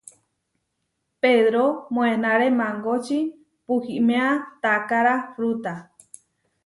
Pedró moenáre mangoči puhiméa taakára fruta.